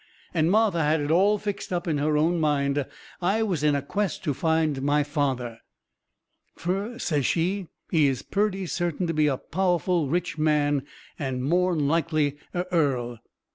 And Martha had it all fixed up in her own mind I was in a quest to find my father. Fur, says she, he is purty certain to be a powerful rich man and more'n likely a earl.